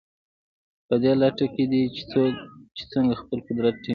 په دې لټه کې دي چې څنګه خپل قدرت ټینګ کړي.